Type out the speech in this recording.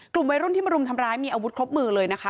กลุ่มวัยรุ่นที่มารุมทำร้ายมีอาวุธครบมือเลยนะคะ